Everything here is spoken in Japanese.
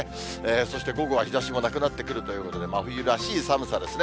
そして午後は日ざしもなくなってくるということで、真冬らしい寒さですね。